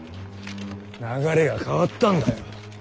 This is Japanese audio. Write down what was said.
流れが変わったんだよ。